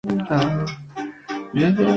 Estuvo casado con la actriz María Rosa Salgado.